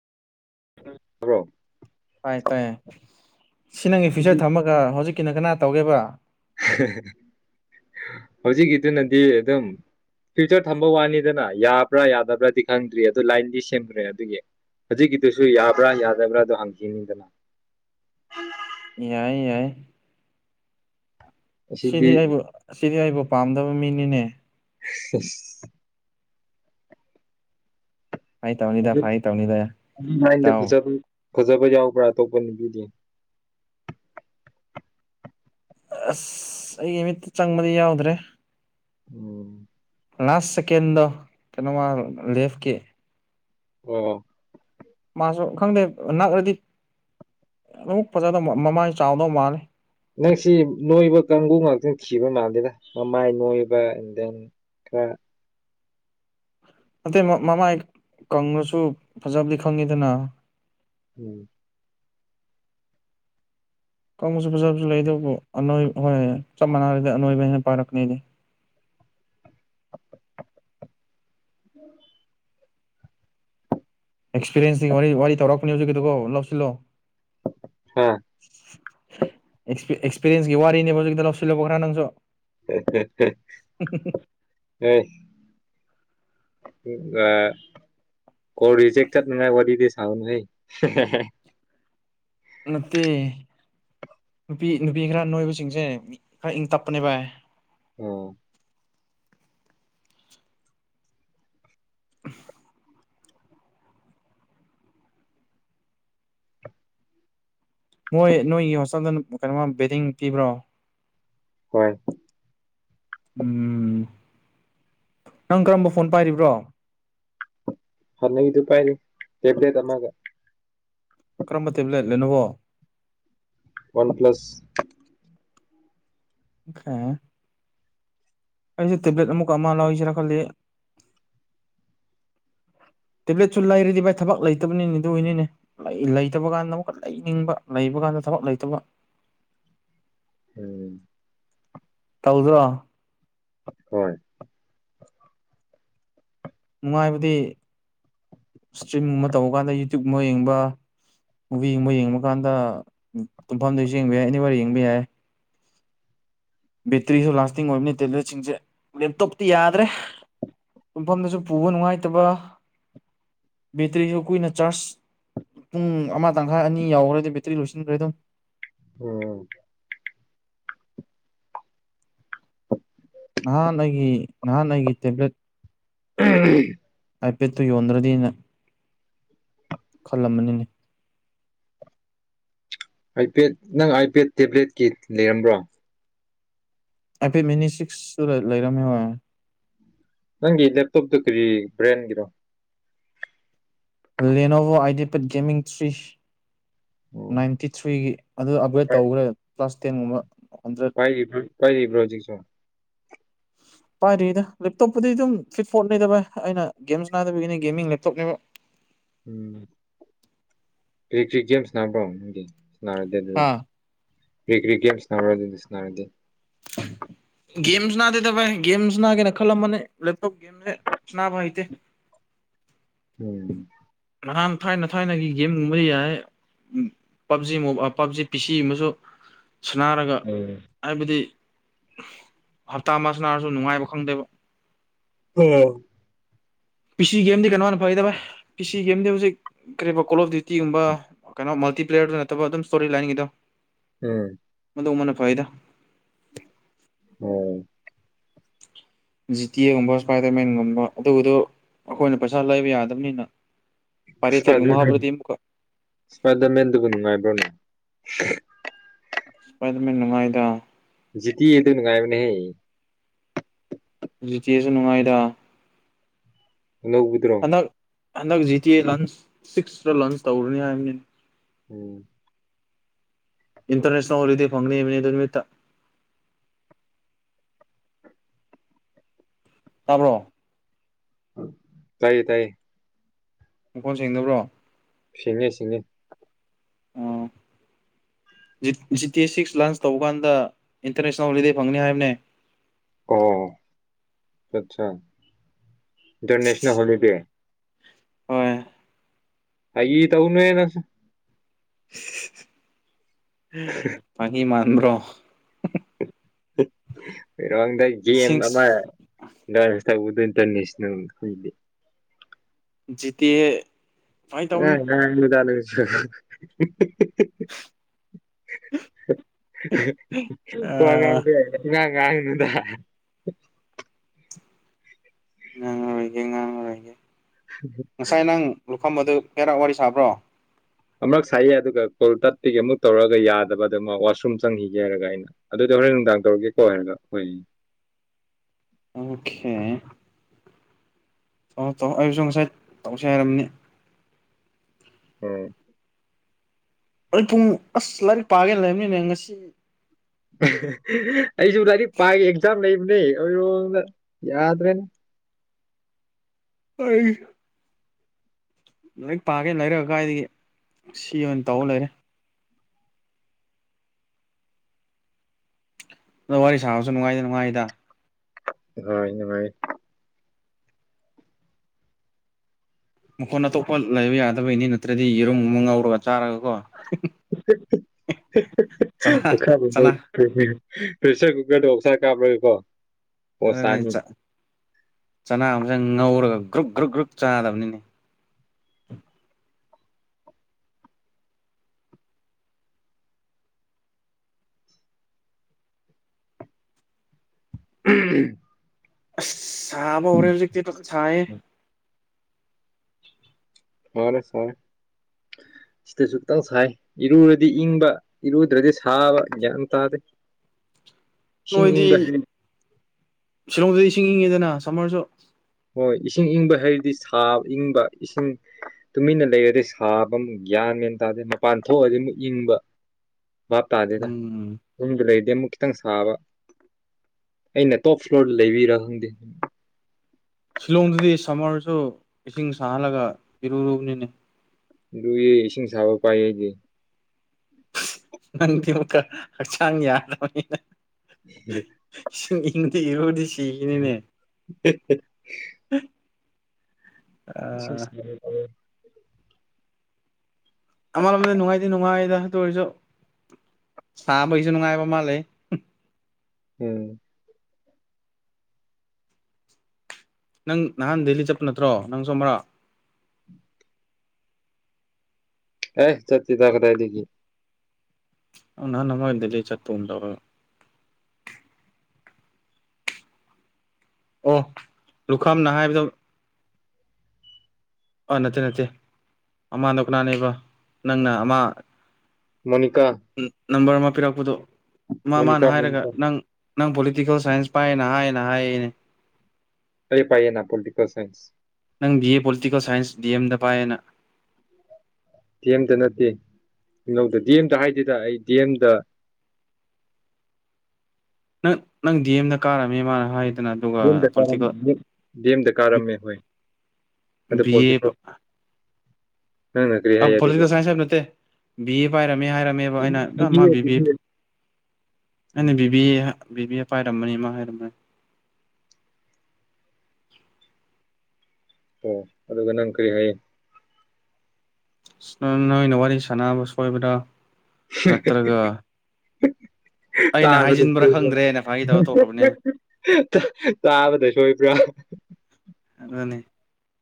ꯍ ꯔꯣ ꯇꯥꯏ ꯇꯥꯏꯌꯦ ꯁꯤ ꯅꯪꯒꯤ ꯐ꯭ꯌꯨꯆꯔ ꯊꯝꯃꯒ ꯍꯧꯖꯤꯛꯀꯤꯅ ꯀꯅꯥ ꯇꯧꯒꯦꯕ ꯍꯍ ꯍꯧꯖꯤꯛꯀꯤꯗꯨꯅꯗꯤ ꯑꯗꯨꯝ ꯐ꯭ꯌꯨꯆꯔ ꯊꯝꯕ ꯋꯥꯅꯤꯗꯅ ꯌꯥꯕ꯭ꯔꯥ ꯌꯥꯗꯕ꯭ꯔꯥꯕꯗꯤ ꯈꯪꯗ꯭ꯔꯤ ꯑꯗꯨ ꯂꯥꯏꯟꯗꯤ ꯁꯦꯝꯈ꯭ꯔꯦ ꯑꯗꯨꯒꯤ ꯍꯧꯖꯤꯛꯀꯤꯗꯨꯁꯨ ꯌꯥꯕ꯭ꯔꯥ ꯌꯥꯗꯕ꯭ꯔꯥꯗꯣ ꯍꯪꯈꯤꯅꯤꯗꯅ ꯌꯥꯏ ꯌꯥꯏ ꯑꯁꯤꯗꯤ ꯁꯤꯗꯤ ꯑꯩꯕꯨ ꯁꯤꯗꯤ ꯑꯩꯕꯨ ꯄꯥꯝꯗꯕ ꯃꯤꯅꯤꯅꯦ ꯁꯁ ꯐꯥꯒꯤ ꯇꯧꯅꯤꯗ ꯑꯗꯨ ꯐꯥꯒꯤ ꯇꯧꯅꯤꯗ ꯑꯗꯨ ꯃꯥꯢꯟꯗ ꯏꯇꯥꯎ ꯐꯖꯕꯣ ꯐꯖꯕ ꯌꯥꯎꯕ꯭ꯔꯥ ꯑꯇꯣꯞꯄ ꯅꯨꯄꯤꯗꯤ ꯑꯁ ꯑꯩꯒꯤ ꯃꯤꯠꯇ ꯆꯪꯕꯗꯤ ꯌꯥꯎꯗ꯭ꯔꯦ ꯎꯝ ꯂꯥꯁ ꯁꯦꯀꯦꯟꯗꯣ ꯀꯩꯅꯣꯃ ꯂꯦꯐꯀꯤ ꯑꯣ ꯃꯥꯁꯨ ꯈꯪꯗꯦ ꯑ ꯅꯛꯂꯗꯤ ꯑꯗꯨꯝ ꯐꯖꯗꯧ ꯃ ꯃꯃꯥꯏ ꯆꯥꯎꯗꯧ ꯃꯥꯜꯂꯦ ꯅꯪꯁꯤ ꯅꯣꯏꯕ ꯀꯥꯡꯕꯨ ꯉꯥꯛꯇ ꯊꯤꯕ ꯃꯥꯜꯂꯦꯗ ꯃꯃꯥꯏ ꯅꯣꯏꯕ ꯑꯦꯟ ꯗꯦꯟ ꯈ ꯑꯇꯩ ꯃ ꯃꯃꯥꯏ ꯀꯪꯉꯁꯨ ꯐꯖꯕꯗꯤ ꯈꯪꯉꯤꯗꯅ ꯎꯝ ꯀꯪꯕꯁꯨ ꯐꯖꯕꯁꯨ ꯂꯩ ꯑꯗꯨꯕꯨ ꯑꯅꯣꯏꯕ ꯍꯣꯏ ꯆꯞ ꯃꯥꯟꯅꯔꯗꯤ ꯑꯅꯣꯏꯕ ꯍꯦꯟ ꯄꯥꯔꯛꯀꯅꯤꯗꯦ [inaudible] ꯑꯦꯛꯁꯄꯤꯔꯤꯌꯦꯟꯁꯀꯤ ꯋꯥꯔꯤ ꯋꯥꯔꯤ ꯇꯧꯔꯛꯄꯅꯦ ꯍꯧꯖꯤꯛꯀꯤꯗꯨꯀꯣ ꯂꯧꯁꯤꯜꯂꯣ ꯍꯥ ꯑꯦꯛꯁ ꯑꯦꯛꯁꯄꯤꯔꯤꯌꯦꯟꯁꯀꯤ ꯋꯥꯔꯤꯅꯦ ꯍꯧꯖꯤꯛꯀꯤꯗꯣ ꯂꯧꯁꯤꯜꯂꯣ ꯈꯔ ꯅꯪꯁꯨ ꯍꯍꯍ ꯍꯣꯢ ꯎꯝ ꯑ ꯀꯣꯜ ꯔꯤꯖꯦꯛ ꯆꯠꯅꯤꯡꯉꯥꯢ ꯋꯥꯔꯤꯗꯤ ꯁꯥ ꯁꯥꯒꯨꯝꯁꯩ ꯍꯥꯍꯥꯍ ꯅꯠꯇꯦ ꯅꯨꯄꯤ ꯅꯨꯄꯤ ꯈꯔ ꯅꯣꯏꯕꯁꯤꯡꯁꯦ ꯈꯔ ꯏꯪ ꯇꯞꯄꯅꯦꯕ ꯑꯣ ꯎꯝꯐ ꯃꯣꯏ ꯅꯣꯏꯒꯤ ꯍꯣꯁꯇꯦꯜꯗ ꯀꯩꯅꯣꯃ ꯕꯦꯗꯤꯡ ꯄꯤꯕ꯭ꯔꯣ ꯍꯣꯏ ꯎꯝ ꯎꯝ ꯅꯪ ꯀꯔꯝꯕ ꯐꯣꯟ ꯄꯥꯏꯔꯤꯕ꯭ꯔꯣ ꯍꯅꯒꯤꯗꯨ ꯄꯥꯏꯔꯤ ꯇꯦꯕ꯭ꯂꯦꯠ ꯑꯃꯒ ꯀꯔꯝꯕ ꯇꯦꯕ꯭ꯂꯦꯠ ꯂꯦꯅꯣꯕꯣ ꯋꯥꯟ ꯄ꯭ꯂꯁ ꯈꯥ ꯑꯩꯁꯦ ꯇꯦꯕ꯭ꯂꯦꯠ ꯑꯃꯨꯛꯀ ꯑꯃ ꯂꯧꯁꯤꯔꯥ ꯈꯜꯂꯤ ꯇꯦꯕ꯭ꯂꯦꯠꯁꯨ ꯂꯩꯔꯗꯤ ꯚꯥꯏ ꯊꯕꯛ ꯂꯩꯇꯕꯅꯤꯅꯦ ꯑꯗꯨ ꯑꯣꯏꯅꯤꯅꯦ ꯂꯩꯇꯕ ꯀꯥꯟꯗ ꯑꯃꯨꯛꯀ ꯂꯩꯅꯤꯡꯕ ꯂꯩ ꯂꯩꯕ ꯀꯥꯟꯗ ꯊꯕꯛ ꯂꯩꯇꯕ ꯎꯝ ꯇꯧꯗ꯭ꯔꯣ ꯍꯣꯏ ꯅꯨꯡꯉꯥꯏꯕꯗꯤ ꯏꯁꯇ꯭ꯔꯤꯝꯒꯨꯝꯕ ꯇꯧꯕ ꯀꯥꯟꯗ ꯌꯨꯇ꯭ꯌꯨꯕ ꯀꯨꯝꯕ ꯌꯦꯡꯕ ꯃꯨꯚꯤꯒꯨꯝꯕ ꯌꯦꯡꯕ ꯀꯥꯟꯗ ꯇꯨꯝꯐꯝꯗꯁꯨ ꯌꯦꯡꯕ ꯌꯥꯏ ꯑꯦꯅꯤ ꯋꯥꯑꯔ ꯌꯦꯡꯕ ꯌꯥꯏ ꯕꯦꯇ꯭ꯔꯤꯁꯨ ꯂꯥꯁꯇꯤꯡ ꯑꯣꯏꯕꯅꯤ ꯇꯦꯕ꯭ꯂꯦꯠꯁꯤꯡꯁꯦ ꯂꯦꯞꯇꯣꯞꯇꯤ ꯌꯥꯗ꯭ꯔꯦ ꯇꯨꯝꯐꯝꯗꯁꯨ ꯄꯨꯕ ꯅꯨꯡꯉꯥꯏꯇꯕ ꯕꯦꯇ꯭ꯔꯤꯁꯨ ꯀꯨꯏꯅ ꯆꯥꯔꯖ ꯄꯨꯡ ꯑꯃ ꯇꯪꯈꯥꯏ ꯑꯅꯤ ꯌꯥꯎꯈ꯭ꯔꯗꯤ ꯕꯦꯇ꯭ꯔꯤ ꯂꯣꯏꯁꯤꯟꯈ꯭ꯔꯦ ꯑꯗꯨꯝ ꯑꯣ ꯅꯍꯥꯟ ꯑꯩꯒꯤ ꯅꯍꯥꯟ ꯑꯩꯒꯤ ꯇꯦꯕ꯭ꯂꯦꯠ ꯎꯍꯝ ꯑꯥꯏꯄꯦꯗꯠꯇꯨ ꯌꯣꯟꯗ꯭ꯔꯗꯤꯅ ꯈꯜꯂꯝꯕꯅꯤꯅꯦ ꯑꯥꯏꯄꯦꯠ ꯅꯪ ꯑꯥꯏꯄꯦꯠ ꯇꯦꯕ꯭ꯂꯦꯠꯀꯤ ꯂꯩꯔꯝꯕ꯭ꯔꯣ ꯍꯥꯏꯐꯦꯠ ꯃꯤꯅꯤ ꯁꯤꯛꯁꯁꯨ ꯂꯩꯔꯝꯃꯦ ꯍꯣꯏ ꯅꯪꯒꯤ ꯂꯦꯞꯇꯣꯞꯇꯣ ꯀꯔꯤ ꯕ꯭ꯔꯦꯟꯒꯤꯔꯣ Lenovo IdeaPad gaming series ninety ꯊ꯭ꯔꯤꯒꯤ ꯑꯗꯣ ꯑꯞꯒ꯭ꯔꯦꯗ ꯇꯧꯈ꯭ꯔꯦ ꯀ꯭ꯂꯥꯁ ꯇꯦꯟꯒꯨꯝꯕ ꯍꯟꯗ꯭ꯔꯦꯠ ꯄꯥꯏꯔꯤꯕꯔꯥ ꯄꯥꯏꯔꯤꯕ꯭ꯔꯣ ꯍꯧꯖꯤꯛꯁꯨ [inaudible] ꯄꯥꯏꯗ꯭ꯔꯤꯗ ꯂꯦꯞꯇꯣꯞꯄꯨꯗꯤ ꯑꯗꯨꯝ ꯐꯤꯐ ꯐꯣꯔꯠ ꯅꯤꯗ ꯚꯥꯏ ꯑꯩꯅ ꯒꯦꯝꯁ ꯁꯥꯅꯥꯗꯕꯒꯤꯅꯦ ꯒꯦꯃꯤꯡ ꯂꯦꯞꯇꯣꯞꯅꯦꯕ ꯀꯔꯤ ꯀꯔꯤ ꯒꯦꯝꯁ ꯁꯥꯅꯥꯕ꯭ꯔꯣ ꯔꯗꯤ ꯑꯗꯨꯗ ꯍꯥ ꯀꯔꯤ ꯀ꯭ꯔꯤ ꯒꯦꯝꯁ ꯑꯗꯨ ꯁꯅꯔꯗꯤ [inaudible] ꯒꯦꯝꯁ ꯁꯥꯅꯥꯗꯦꯗ ꯚꯥꯏ ꯒꯦꯝꯁ ꯅꯥꯒꯦꯅ ꯈꯜꯂꯝꯕꯅꯤ ꯂꯦꯞꯇꯣꯞ ꯒꯦꯝꯁꯦ ꯁꯥꯅꯥꯕ ꯍꯩꯇꯦ [inaudible] ꯎꯝ ꯅꯍꯥꯟ ꯊꯥꯏꯅ ꯊꯥꯏꯅꯒꯤ ꯒꯦꯝꯒꯨꯝꯕꯗꯤ ꯌꯥꯏꯌꯦ ꯑꯝ ꯄꯞꯖꯤ ꯄꯞꯖꯤ ꯄꯤꯁꯤ ꯑꯃꯁꯨ ꯁꯅꯥꯔꯒ ꯎꯝ ꯍꯥꯏꯕꯗꯤ ꯍꯞꯇꯥ ꯑꯃ ꯁꯥꯅꯥꯔꯁꯨ ꯅꯨꯡꯉꯥꯏꯕ ꯈꯪꯗꯦꯕ ꯎ ꯅꯟ ꯄꯤꯁꯤ ꯒꯦꯝꯗꯤ ꯀꯩꯅꯣꯅ ꯐꯩꯗꯚꯥꯏ ꯄꯤ ꯁꯤ ꯒꯦꯝꯗꯤ ꯍꯧꯖꯤꯛ ꯀꯔꯤꯕ ꯀꯣꯜ ꯑꯣꯐ ꯗ꯭ꯌꯨꯇꯤꯒꯨꯝꯕ ꯀꯩꯅꯣ ꯃꯜꯇꯤꯄ꯭ꯂꯦꯌꯔꯗꯨ ꯅꯠꯇꯕ ꯑꯗꯨꯝ ꯏꯁꯇꯣꯔꯤ ꯂꯥꯏꯟꯒꯤꯗꯣ ꯎꯝ ꯑꯗꯨꯒꯨꯝꯕꯅ ꯐꯩꯌꯦꯗ ꯑꯣ ꯖꯤꯇꯤ ꯒꯨꯝꯕ ꯏꯁꯄꯥꯏꯗꯔꯃꯦꯟꯒꯨꯝꯕ ꯑꯗꯨꯗꯣ ꯑꯩꯈꯣꯏꯅ ꯄꯩꯁꯥꯅ ꯂꯩꯕ ꯌꯥꯗꯕꯅꯤꯅ ꯄꯥꯏꯔꯦꯇꯦꯠꯒꯨꯝꯕ ꯁꯄꯥꯗꯔꯃꯦꯟ ꯍꯥꯞꯄ꯭ꯔꯗꯤ ꯑꯃꯨꯛꯀ ꯁꯄꯥꯗꯔꯃꯦꯟꯗꯨꯕꯨ ꯅꯨꯡꯉꯥꯏꯕꯔꯣꯅꯦ ꯍꯥꯍꯥꯍꯥ ꯁꯄꯥꯗꯔꯃꯦꯅ ꯅꯨꯡꯉꯥꯏꯗ ꯖꯤꯠꯇꯤ ꯍꯥꯏꯗꯣꯏ ꯅꯨꯉꯥꯏꯕꯅꯦ ꯍꯦ ꯗꯨ ꯅꯨꯡꯉꯥꯏꯗ ꯑꯅꯧꯕꯤꯗꯣꯔꯣ ꯍꯗꯛ G T A launch six launch ꯇꯧꯔꯅꯤ ꯍꯥꯢꯕꯅꯤ ꯎꯝ ꯏꯟꯇꯔꯦꯁ ꯇꯧꯔꯦꯗꯤ ꯐꯝꯅꯤ ꯍꯥꯢꯕꯅꯤ ꯑꯗꯨꯢ ꯅꯨꯃꯤꯠꯇ ꯇꯥꯕ꯭ꯔꯣ ꯇꯥꯏꯌꯦ ꯇꯥꯏꯌꯦ ꯃꯈꯣꯟ ꯁꯦꯡꯗꯕ꯭ꯔꯣ ꯁꯦꯟꯂꯦ ꯁꯤꯟꯂꯦ ꯑ ꯖꯤ ꯇꯤ ꯁꯤꯛꯁ ꯂꯣꯟꯁ ꯇꯧꯕ ꯀꯥꯟꯗ ꯏꯟꯇꯔꯦꯁ ꯌꯥꯎꯔꯗꯤ ꯐꯪꯒꯅꯤ ꯍꯥꯏꯕꯅꯦ ꯑꯣ ꯑꯠꯆꯥ ꯏꯟꯇꯔꯅꯦꯁꯅꯦꯜ ꯍꯣꯂꯤꯗꯦ ꯍꯣꯏ ꯐꯥꯒꯤ ꯇꯧꯅꯦꯅ [unintelligible] ꯐꯥꯒꯤ ꯃꯥꯟꯕ꯭ꯔꯣ [unintelligible] ꯍꯣꯏꯔꯣꯡꯗ ꯒꯦꯝ ꯁꯤꯛꯁ ꯑꯃ [unintelligible] ꯇꯧꯕꯗ ꯏꯟꯇꯔꯅꯦꯁꯅꯦꯜ ꯍꯣꯏꯗꯤ ꯖꯤ ꯇꯦ [unintelligible] [unintelligible] ꯋꯥ ꯉꯥꯡꯗ ꯉꯥꯡ ꯉꯥꯡꯅꯨꯗ [unintelligible] ꯉꯥꯡꯉꯔꯣꯏꯒꯦ ꯉꯥꯡꯉꯔꯣꯏꯒꯦ [unintelligible] ꯐꯝ ꯑꯗꯨ ꯀꯦꯔꯥꯛ ꯋꯥꯔꯤ ꯁꯥꯕ꯭ꯔꯣ ꯑꯃꯔꯛ ꯁꯥꯏꯌꯦ ꯑꯗꯨꯒ ꯀꯣꯜ ꯇꯠꯇꯒꯤ ꯃꯨꯛ ꯇꯧꯔꯛꯑꯒ ꯌꯥꯗꯕꯗ ꯃꯥ ꯋꯥꯁꯔꯨꯝ ꯆꯪꯈꯤꯒꯦ ꯍꯥꯏꯔꯒ ꯑꯩꯅ ꯑꯗꯨꯗ ꯍꯣꯔꯦꯟ ꯅꯨꯡꯗꯥꯡ ꯇꯧꯔꯛꯀꯦ ꯀꯣ ꯍꯥꯏꯔꯒ ꯍꯣꯏ ꯑꯣꯈꯦ ꯑꯣ ꯇꯧ ꯑꯩꯁꯨ ꯉꯁꯥꯏ ꯇꯧꯁꯦ ꯍꯥꯏꯔꯝꯅꯤ ꯑꯥ ꯑꯩ ꯄꯨꯡ ꯑꯁ ꯂꯥꯏꯔꯤꯛ ꯄꯥꯒꯦꯅ ꯂꯩꯝꯅꯤꯅꯦ ꯉꯁꯤ ꯑꯍꯦ ꯍꯦ ꯑꯩꯁꯨ ꯂꯥꯏꯔꯤꯛ ꯄꯥꯒꯦ ꯑꯦꯛꯖꯥꯝ ꯂꯩ ꯗꯔꯦ ꯍꯣꯏꯔꯣꯡꯗ ꯌꯥꯗ꯭ꯔꯦꯗ ꯑꯩ ꯂꯥꯏꯔꯤꯛ ꯄꯥꯒꯦ ꯂꯩꯔꯛ ꯀꯥꯏꯗꯒꯤ ꯁꯤ ꯑꯣꯏꯅ ꯇꯧ ꯂꯩꯔꯦ [unintelligible] ꯋꯥꯔꯤ ꯁꯥꯕꯁꯨ ꯅꯨꯡꯉꯥꯏ ꯅꯨꯡꯉꯥꯏꯗ ꯑꯥ ꯅꯨꯡꯉꯥꯏ [unintelligible] ꯃꯈꯣꯟ ꯑꯇꯣꯞꯄ ꯂꯩꯕ ꯌꯥꯗꯕꯩꯅꯤ ꯅꯠꯇ꯭ꯔꯗꯤ ꯌꯦꯔꯨꯝ ꯒꯨꯝꯕ ꯉꯧꯔꯒ ꯆꯥꯔꯒ ꯀꯣ [unintelligible] ꯆꯅꯥ ꯆꯅꯥ ꯄ꯭ꯔꯦꯁꯔ ꯀꯨꯀꯔꯗꯣ ꯑꯣꯛꯁꯥ ꯀꯥꯝꯔꯒꯀꯣ ꯑꯗꯨꯅꯤ ꯆꯥ ꯆꯥꯅ [unintelligible] ꯉꯧꯔꯒ ꯒ꯭ꯔꯨꯨꯞ ꯒ꯭ꯔꯨꯛ ꯒ꯭ꯔꯨꯛ ꯆꯥꯅꯕꯅꯤꯅꯦ ꯎꯝ ꯍꯝ ꯑꯁ ꯁꯥꯥꯕ ꯍꯧꯔꯦ ꯍꯧꯖꯤꯛꯇꯤ [unintelligible] ꯁꯥꯏꯌꯦ ꯐꯔꯦ ꯐꯔꯦ ꯁꯤꯗꯁꯨ ꯈꯤꯇꯪ ꯁꯥꯏ ꯏꯔꯨꯔꯗꯤ ꯏꯪꯕ ꯏꯔꯨꯗ꯭ꯔꯗꯤ ꯁꯥꯕ ꯒ꯭ꯌꯥꯟ ꯇꯥꯗꯦ [unintelligible] ꯏꯁꯤꯡ ꯅꯣꯏꯗꯤ ꯏꯪꯕ ꯍꯩ ꯁꯤꯂꯣꯡꯗꯗꯤ ꯏꯁꯤꯡ ꯏꯪꯉꯤꯗꯅ ꯁꯝꯃꯔꯁꯨ ꯍꯣꯏ ꯏꯁꯤꯡ ꯏꯪꯕ ꯍꯥꯏꯔꯗꯤ ꯁꯥꯕ ꯏꯪꯕ ꯏꯁꯤꯡ ꯇꯨꯃꯤꯟꯅ ꯂꯩꯔꯗꯤ ꯁꯥꯕ [unintelligible] ꯒ꯭ꯌꯥꯟ ꯃꯦꯟ ꯇꯥꯗꯦ ꯃꯄꯥꯟ ꯊꯣꯛꯑꯗꯤ ꯃꯨꯛ ꯏꯪꯕ [inaudible] ꯚꯥꯞ ꯇꯥꯗꯦꯗ ꯎꯝ ꯌꯨꯝꯗ ꯂꯩꯔꯗꯤ ꯑꯃꯨꯛ ꯈꯤꯇꯪ ꯁꯥꯕ ꯑꯩꯅ ꯇꯣꯞ ꯐ꯭ꯂꯣꯔꯗ ꯂꯩꯕꯩꯔ ꯈꯪꯗꯦ ꯁꯤꯂꯣꯡꯗꯗꯤ ꯁꯝꯃꯔꯁꯨ ꯏꯁꯤꯡ ꯁꯥꯍꯜꯂꯒ ꯏꯔꯨꯂꯨꯕꯅꯤꯅꯦ ꯂꯨꯌꯦ ꯏꯁꯤꯡ ꯁꯥꯕ ꯄꯥꯏꯌꯦ ꯑꯩꯗꯤ ꯅꯪꯗꯤ ꯑꯃꯨꯛꯀ ꯍꯛꯆꯥꯡ ꯌꯥꯗꯕꯅꯤꯅ ꯍꯍ ꯁꯤꯡꯗꯤ ꯏꯪꯗꯤ ꯢꯔꯨꯗꯤ ꯁꯤꯈꯤꯅꯤꯅꯦ [unintelligible] ꯏꯁꯤꯡ ꯁꯥꯕ ꯇꯧꯋꯦ ꯑꯃꯥꯔꯣꯝꯗ ꯅꯨꯡꯉꯥꯏꯗꯤ ꯅꯨꯡꯉꯥꯏꯗ ꯑꯗꯨ ꯑꯣꯏꯔꯁꯨ ꯁꯥꯕꯒꯤꯁꯨ ꯅꯨꯡꯉꯥꯏꯕ ꯑꯃ ꯂꯩ ꯍꯝ [unintelligible] ꯅꯪ ꯅꯍꯥꯟ ꯗꯦꯜꯂꯤ ꯆꯠꯄ ꯅꯠꯇ꯭ꯔꯣ ꯅꯪꯁꯨ ꯑꯃꯔꯛ ꯑꯦ ꯆꯠꯇꯦꯗ ꯀꯗꯥꯢꯗꯒꯤ ꯑꯥ ꯅꯍꯥꯟ ꯑꯃ ꯗꯦꯜꯂꯤ ꯆꯠꯄꯒꯨꯝ ꯇꯧꯋꯦ ꯑꯣ ꯂꯨꯈꯝꯅ ꯍꯥꯏꯕꯗꯣ ꯑꯥ ꯅꯠꯇꯦ ꯅꯠꯇꯦ ꯑꯃꯗꯣ ꯀꯅꯥꯅꯦꯕ ꯅꯪꯅ ꯑꯃ ꯃꯣꯅꯤꯀꯥ ꯅꯝꯕꯔ ꯑꯃ ꯄꯤꯔꯛꯄꯗꯣ ꯃꯥ ꯃꯥꯅ ꯃꯣꯅꯤꯀꯥ ꯍꯥꯏꯔꯒ ꯃꯣꯅꯤꯀꯥ ꯅꯪ ꯅꯪ ꯄꯣꯂꯤꯇꯤꯀꯜ ꯁꯥꯏꯟꯁ ꯄꯥꯏꯌꯦꯅ ꯍꯥꯏꯌꯦꯅ ꯍꯥꯏꯌꯦꯅꯦ ꯑꯩ ꯄꯥꯏꯌꯦꯅ ꯄꯣꯂꯤꯇꯤꯀꯜ ꯁꯥꯏꯟꯁ ꯅꯪ ꯕꯤ ꯑꯦ ꯄꯣꯂꯤꯇꯤꯀꯦꯜ ꯁꯥꯏꯟꯁ ꯗꯤ ꯑꯦꯝꯗ ꯄꯥꯏꯌꯦꯅ ꯗꯤ ꯑꯦꯝꯗ ꯅꯠꯇꯦ ꯢꯛꯅꯧ ꯗꯤ ꯑꯦꯝꯗ ꯍꯥꯏꯗꯦꯗ ꯑꯩ ꯗꯤ ꯑꯦꯝꯗ [inaudible] ꯅꯪ ꯅꯪ ꯗꯤ ꯑꯦꯝꯗ ꯀꯥꯔꯝꯃꯦ ꯃꯥꯅ ꯍꯥꯏ ꯗꯤ ꯑꯦꯝꯗ ꯀꯥꯔꯝꯅꯤ ꯗꯤ ꯑꯦꯝꯗ ꯀꯥꯔꯝꯃꯦ ꯍꯣꯏ ꯑꯗꯨ ꯕꯤ ꯄꯣꯜꯇꯤꯀꯜ ꯑ ꯄꯣꯂꯤꯇꯤꯀꯦꯜ ꯁꯥꯏꯟꯁ ꯍꯥꯏꯕ ꯅꯠꯇꯦ ꯕꯤ ꯑꯦ ꯄꯥꯏꯔꯝꯃꯦ ꯍꯥꯏꯔꯝꯃꯦꯕ ꯑꯩꯅ ꯑ ꯃꯥ ꯕꯤꯕꯤꯑꯦ ꯕꯤ ꯕꯤ ꯕꯤꯕꯤꯑꯦ ꯑꯩꯅ ꯕꯤꯕꯤ ꯑꯦ ꯕꯤꯕꯤ ꯑꯦ ꯄꯥꯏꯔꯝꯕꯅꯦ ꯃꯥ ꯍꯥꯏꯔꯝꯕꯅꯦ ꯑꯣ ꯑꯗꯨꯒ ꯅꯪ ꯀꯔꯤ ꯍꯥꯏ ꯁ ꯅꯣꯏꯅ ꯋꯥꯔꯤ ꯁꯥꯟꯅꯕ ꯁꯣꯏꯕꯗꯥ ꯅꯠꯇ꯭ꯔꯒ ꯑꯩꯅ ꯇꯥꯕꯗ ꯍꯥꯏꯖꯤꯟꯕ꯭ꯔꯥ ꯁꯣꯢꯕ꯭ꯔ ꯈꯪꯗ꯭ꯔꯦꯅ ꯐꯥꯒꯤ ꯍ ꯇꯧꯔ ꯇꯣꯛꯈ꯭ꯔꯕꯅꯦ ꯍꯦꯍꯦ ꯇꯥꯕꯗ ꯁꯣꯏꯕ꯭ꯔꯥ ꯑꯃꯅꯦ